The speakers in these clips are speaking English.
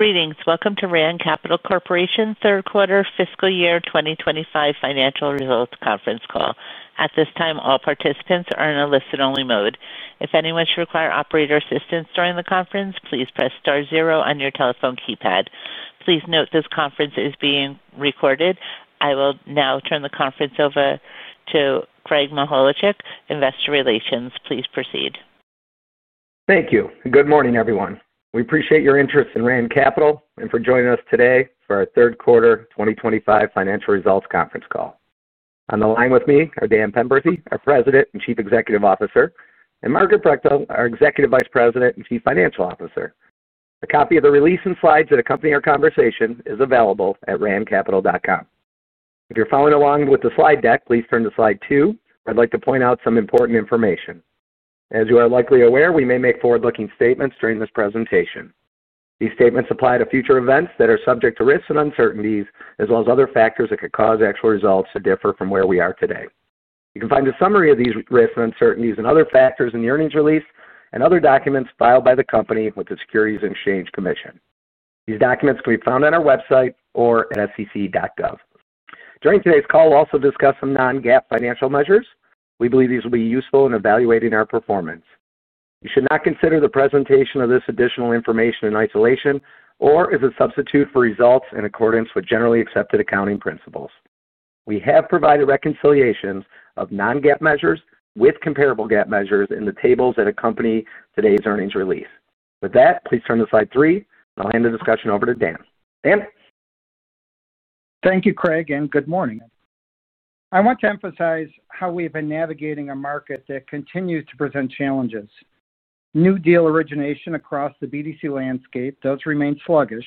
Greetings. Welcome to Rand Capital Corporation third-quarter fiscal year 2025 financial results conference call. At this time, all participants are in a listen-only mode. If anyone should require operator assistance during the conference, please press star zero on your telephone keypad. Please note this conference is being recorded. I will now turn the conference over to Craig Mychajluk, Investor Relations. Please proceed. Thank you. Good morning, everyone. We appreciate your interest in Rand Capital and for joining us today for our third-quarter 2025 financial results conference call. On the line with me are Dan Penberthy, our President and Chief Executive Officer, and Margaret Brechtel, our Executive Vice President and Chief Financial Officer. A copy of the release and slides that accompany our conversation is available at randcapital.com. If you're following along with the slide deck, please turn to slide two. I'd like to point out some important information. As you are likely aware, we may make forward-looking statements during this presentation. These statements apply to future events that are subject to risks and uncertainties, as well as other factors that could cause actual results to differ from where we are today. You can find a summary of these risks and uncertainties and other factors in the earnings release and other documents filed by the company with the Securities and Exchange Commission. These documents can be found on our website or at sec.gov. During today's call, we'll also discuss some non-GAAP financial measures. We believe these will be useful in evaluating our performance. You should not consider the presentation of this additional information in isolation or as a substitute for results in accordance with generally accepted accounting principles. We have provided reconciliations of non-GAAP measures with comparable GAAP measures in the tables that accompany today's earnings release. With that, please turn to slide three. I'll hand the discussion over to Dan. Dan? Thank you, Craig, and good morning. I want to emphasize how we've been navigating a market that continues to present challenges. New deal origination across the BDC landscape does remain sluggish,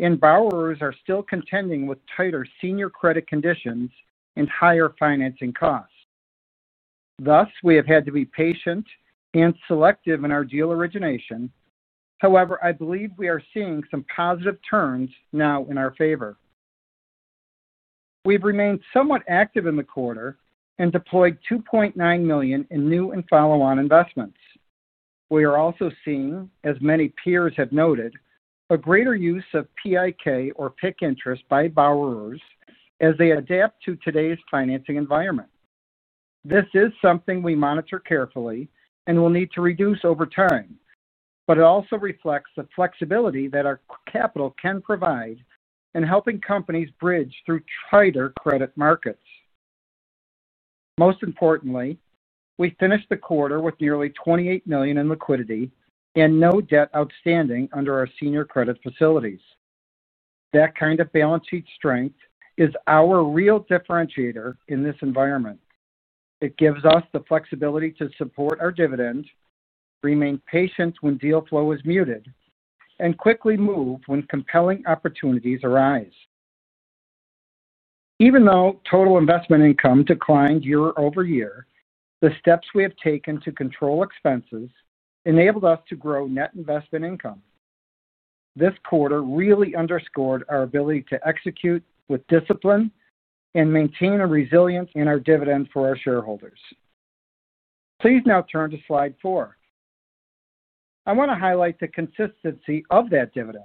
and borrowers are still contending with tighter senior credit conditions and higher financing costs. Thus, we have had to be patient and selective in our deal origination. However, I believe we are seeing some positive turns now in our favor. We've remained somewhat active in the quarter and deployed $2.9 million in new and follow-on investments. We are also seeing, as many peers have noted, a greater use of PIK or PIK interest by borrowers as they adapt to today's financing environment. This is something we monitor carefully and will need to reduce over time, but it also reflects the flexibility that our capital can provide in helping companies bridge through tighter credit markets. Most importantly, we finished the quarter with nearly $28 million in liquidity and no debt outstanding under our senior credit facilities. That kind of balance sheet strength is our real differentiator in this environment. It gives us the flexibility to support our dividend, remain patient when deal flow is muted, and quickly move when compelling opportunities arise. Even though total investment income declined year over year, the steps we have taken to control expenses enabled us to grow net investment income. This quarter really underscored our ability to execute with discipline and maintain a resilience in our dividend for our shareholders. Please now turn to slide four. I want to highlight the consistency of that dividend.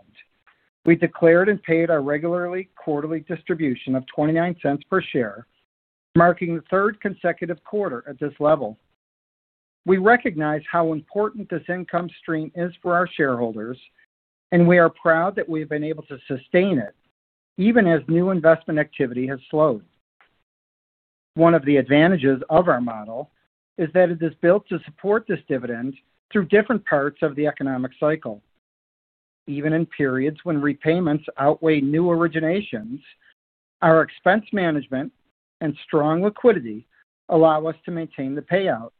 We declared and paid our regular quarterly distribution of $0.29 per share, marking the third consecutive quarter at this level. We recognize how important this income stream is for our shareholders, and we are proud that we have been able to sustain it even as new investment activity has slowed. One of the advantages of our model is that it is built to support this dividend through different parts of the economic cycle. Even in periods when repayments outweigh new originations, our expense management and strong liquidity allow us to maintain the payout.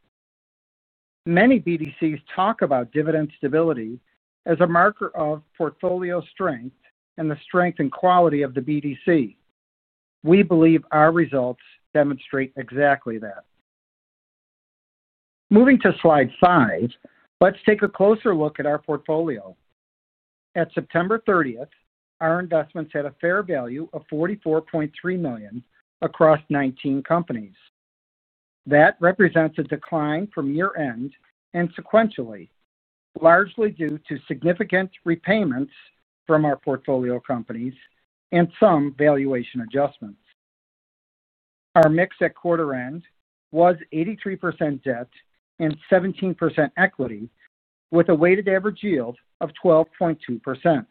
Many BDCs talk about dividend stability as a marker of portfolio strength and the strength and quality of the BDC. We believe our results demonstrate exactly that. Moving to slide five, let's take a closer look at our portfolio. At September 30th, our investments had a fair value of $44.3 million across 19 companies. That represents a decline from year-end and sequentially, largely due to significant repayments from our portfolio companies and some valuation adjustments. Our mix at quarter-end was 83% debt and 17% equity, with a weighted average yield of 12.2%.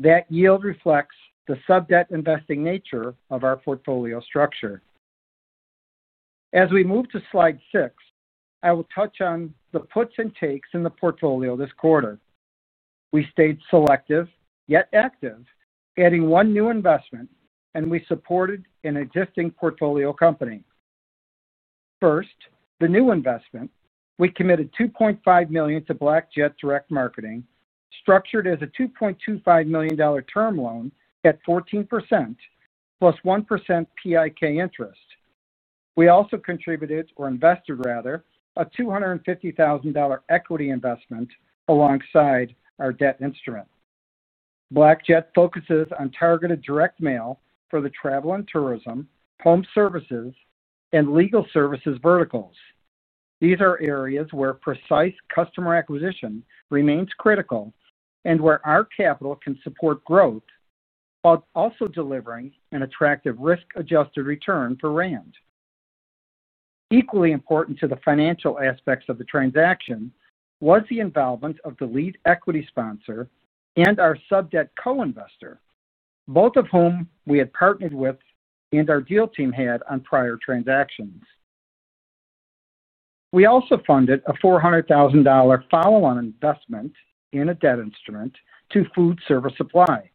That yield reflects the sub-debt investing nature of our portfolio structure. As we move to slide six, I will touch on the puts and takes in the portfolio this quarter. We stayed selective yet active, adding one new investment, and we supported an existing portfolio company. First, the new investment, we committed $2.5 million to BlackJet Direct Marketing, structured as a $2.25 million term loan at 14% plus 1% PIK interest. We also contributed, or invested rather, a $250,000 equity investment alongside our debt instrument. BlackJet focuses on targeted direct mail for the travel and tourism, home services, and legal services verticals. These are areas where precise customer acquisition remains critical and where our capital can support growth while also delivering an attractive risk-adjusted return for Rand. Equally important to the financial aspects of the transaction was the involvement of the lead equity sponsor and our sub-debt co-investor, both of whom we had partnered with and our deal team had on prior transactions. We also funded a $400,000 follow-on investment in a debt instrument to Food Service Supply.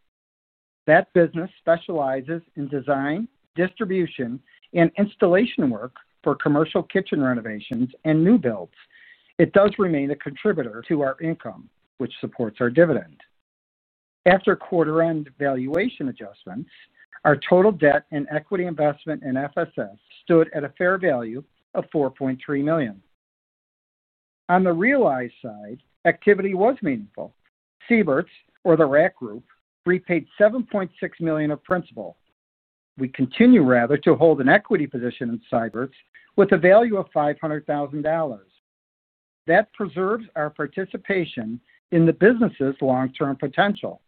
That business specializes in design, distribution, and installation work for commercial kitchen renovations and new builds. It does remain a contributor to our income, which supports our dividend. After quarter-end valuation adjustments, our total debt and equity investment in FSS stood at a fair value of $4.3 million. On the realized side, activity was meaningful. Seybert's, or the Rack Group, repaid $7.6 million of principal. We continue rather to hold an equity position in Seybert's with a value of $500,000. That preserves our participation in the business's long-term potential.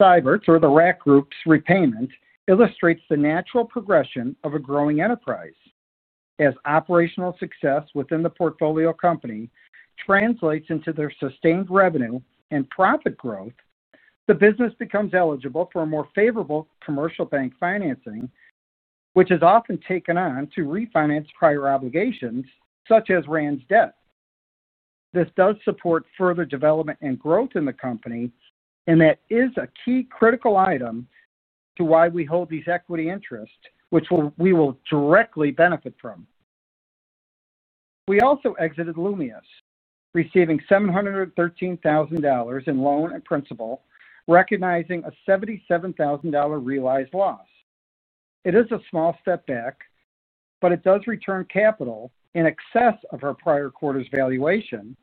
Seybert's, or the Rack Group's repayment, illustrates the natural progression of a growing enterprise. As operational success within the portfolio company translates into their sustained revenue and profit growth, the business becomes eligible for more favorable commercial bank financing, which is often taken on to refinance prior obligations such as Rand's debt. This does support further development and growth in the company, and that is a key critical item to why we hold these equity interests, which we will directly benefit from. We also exited Lumius, receiving $713,000 in loan and principal, recognizing a $77,000 realized loss. It is a small step back, but it does return capital in excess of our prior quarter's valuation,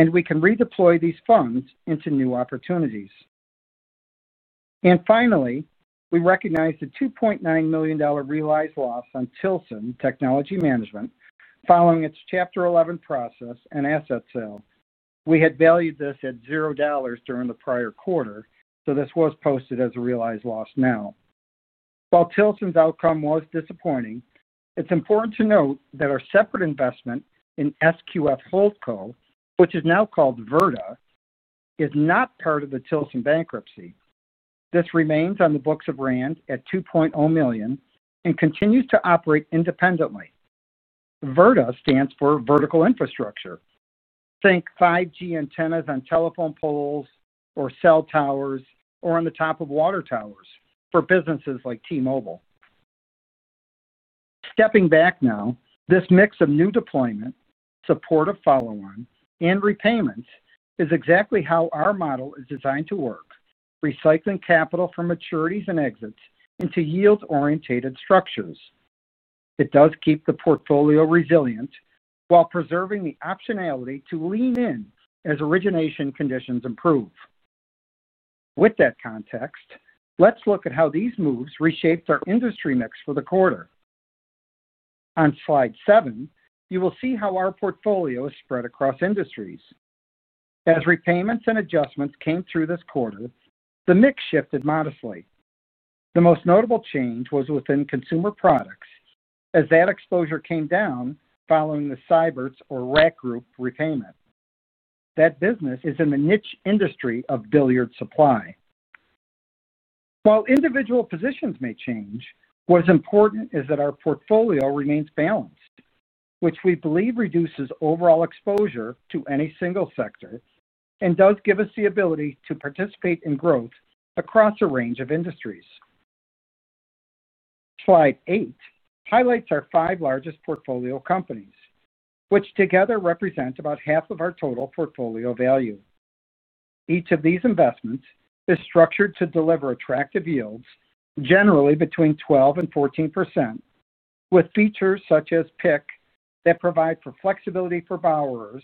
and we can redeploy these funds into new opportunities. Finally, we recognize the $2.9 million realized loss on Tilson Technology Management following its Chapter 11 process and asset sale. We had valued this at $0 during the prior quarter, so this was posted as a realized loss now. While Tilson's outcome was disappointing, it's important to note that our separate investment in SQF Holdco, which is now called Verda, is not part of the Tilson bankruptcy. This remains on the books of Rand at $2.0 million and continues to operate independently. Verda stands for vertical infrastructure. Think 5G antennas on telephone poles or cell towers or on the top of water towers for businesses like T-Mobile. Stepping back now, this mix of new deployment, supportive follow-on, and repayments is exactly how our model is designed to work, recycling capital from maturities and exits into yield-orientated structures. It does keep the portfolio resilient while preserving the optionality to lean in as origination conditions improve. With that context, let's look at how these moves reshaped our industry mix for the quarter. On slide seven, you will see how our portfolio is spread across industries. As repayments and adjustments came through this quarter, the mix shifted modestly. The most notable change was within consumer products as that exposure came down following the Rack Group or Seybert's repayment. That business is in the niche industry of billiard supply. While individual positions may change, what's important is that our portfolio remains balanced, which we believe reduces overall exposure to any single sector and does give us the ability to participate in growth across a range of industries. Slide eight highlights our five largest portfolio companies, which together represent about half of our total portfolio value. Each of these investments is structured to deliver attractive yields, generally between 12%-14%, with features such as PIK that provide for flexibility for borrowers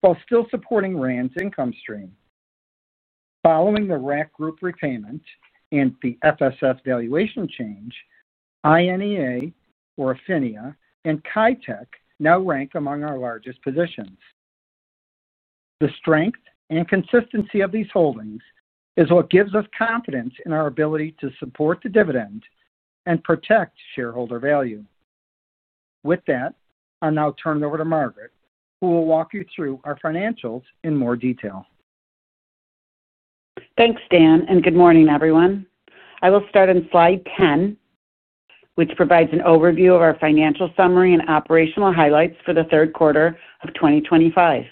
while still supporting Rand's income stream. Following the Rack Group repayment and the FSS valuation change, INEA or Ephenia and ChiTech now rank among our largest positions. The strength and consistency of these holdings is what gives us confidence in our ability to support the dividend and protect shareholder value. With that, I'll now turn it over to Margaret, who will walk you through our financials in more detail. Thanks, Dan, and good morning, everyone. I will start on slide 10, which provides an overview of our financial summary and operational highlights for the third quarter of 2025.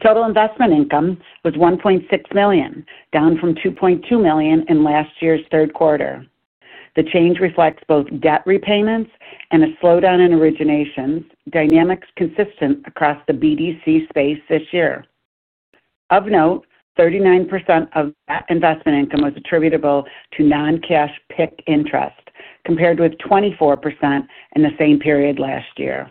Total investment income was $1.6 million, down from $2.2 million in last year's third quarter. The change reflects both debt repayments and a slowdown in origination dynamics consistent across the BDC space this year. Of note, 39% of that investment income was attributable to non-cash PIK interest, compared with 24% in the same period last year.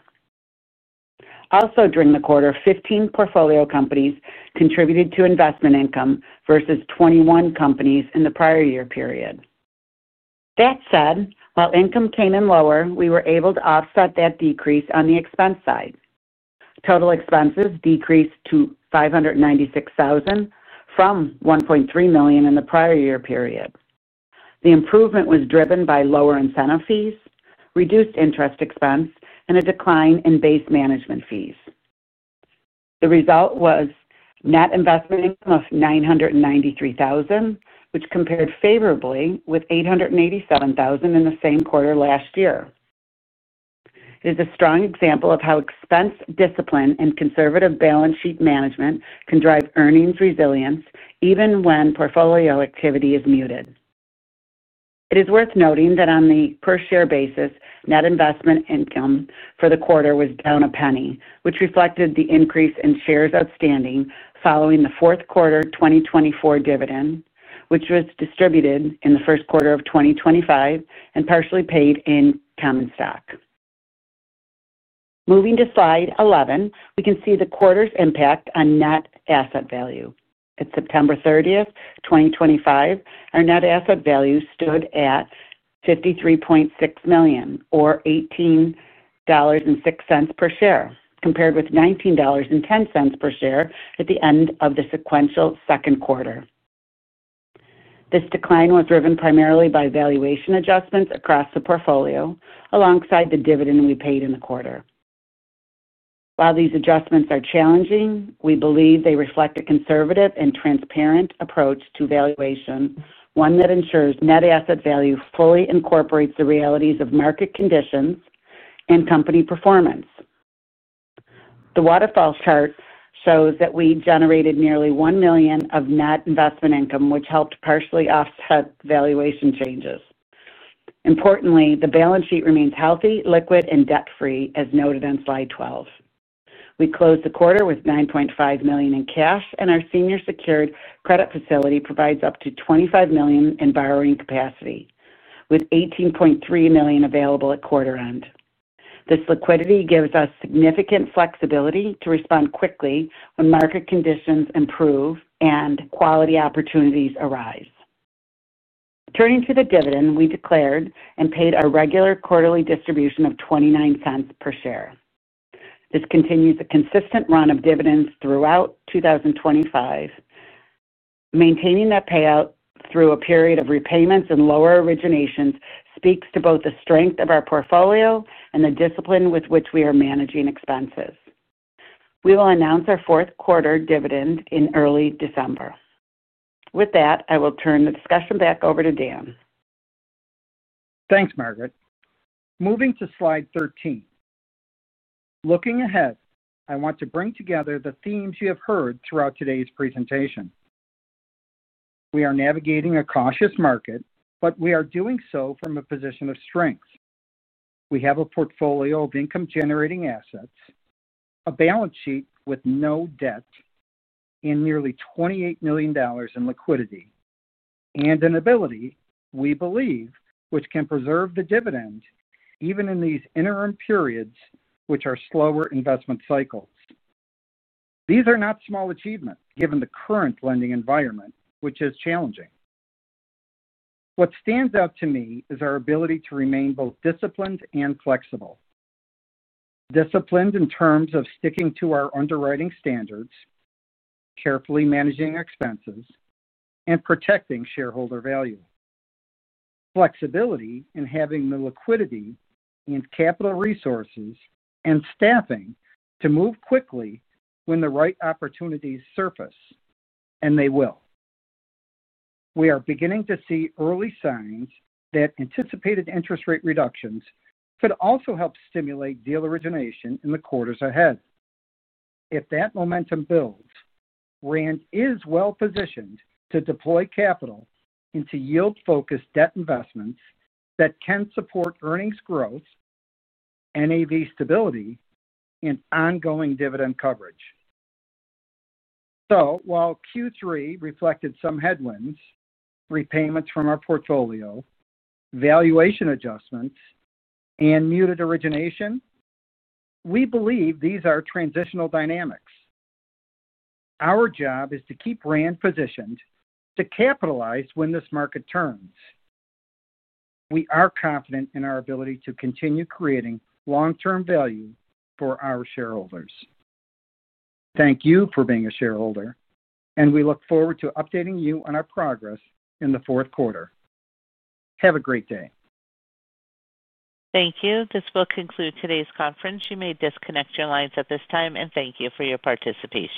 Also, during the quarter, 15 portfolio companies contributed to investment income versus 21 companies in the prior year period. That said, while income came in lower, we were able to offset that decrease on the expense side. Total expenses decreased to $596,000 from $1.3 million in the prior year period. The improvement was driven by lower incentive fees, reduced interest expense, and a decline in base management fees. The result was net investment income of $993,000, which compared favorably with $887,000 in the same quarter last year. It is a strong example of how expense discipline and conservative balance sheet management can drive earnings resilience even when portfolio activity is muted. It is worth noting that on the per-share basis, net investment income for the quarter was down a penny, which reflected the increase in shares outstanding following the fourth quarter 2024 dividend, which was distributed in the first quarter of 2025 and partially paid in common stock. Moving to slide 11, we can see the quarter's impact on net asset value. At September 30, 2025, our net asset value stood at $53.6 million or $18.06 per share, compared with $19.10 per share at the end of the sequential second quarter. This decline was driven primarily by valuation adjustments across the portfolio alongside the dividend we paid in the quarter. While these adjustments are challenging, we believe they reflect a conservative and transparent approach to valuation, one that ensures net asset value fully incorporates the realities of market conditions and company performance. The waterfall chart shows that we generated nearly $1 million of net investment income, which helped partially offset valuation changes. Importantly, the balance sheet remains healthy, liquid, and debt-free, as noted on slide 12. We closed the quarter with $9.5 million in cash, and our senior secured credit facility provides up to $25 million in borrowing capacity, with $18.3 million available at quarter-end. This liquidity gives us significant flexibility to respond quickly when market conditions improve and quality opportunities arise. Turning to the dividend, we declared and paid our regular quarterly distribution of $0.29 per share. This continues a consistent run of dividends throughout 2025. Maintaining that payout through a period of repayments and lower originations speaks to both the strength of our portfolio and the discipline with which we are managing expenses. We will announce our fourth quarter dividend in early December. With that, I will turn the discussion back over to Dan. Thanks, Margaret. Moving to slide 13. Looking ahead, I want to bring together the themes you have heard throughout today's presentation. We are navigating a cautious market, but we are doing so from a position of strength. We have a portfolio of income-generating assets, a balance sheet with no debt, and nearly $28 million in liquidity, and an ability, we believe, which can preserve the dividend even in these interim periods, which are slower investment cycles. These are not small achievements given the current lending environment, which is challenging. What stands out to me is our ability to remain both disciplined and flexible. Disciplined in terms of sticking to our underwriting standards, carefully managing expenses, and protecting shareholder value. Flexibility in having the liquidity and capital resources and staffing to move quickly when the right opportunities surface, and they will. We are beginning to see early signs that anticipated interest rate reductions could also help stimulate deal origination in the quarters ahead. If that momentum builds, Rand is well-positioned to deploy capital into yield-focused debt investments that can support earnings growth, NAV stability, and ongoing dividend coverage. While Q3 reflected some headwinds, repayments from our portfolio, valuation adjustments, and muted origination, we believe these are transitional dynamics. Our job is to keep Rand positioned to capitalize when this market turns. We are confident in our ability to continue creating long-term value for our shareholders. Thank you for being a shareholder, and we look forward to updating you on our progress in the fourth quarter. Have a great day. Thank you. This will conclude today's conference. You may disconnect your lines at this time, and thank you for your participation.